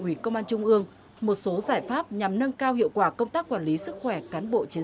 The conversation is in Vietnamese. ủy công an trung ương một số giải pháp nhằm nâng cao hiệu quả công tác quản lý sức khỏe cán bộ chiến